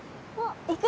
行く！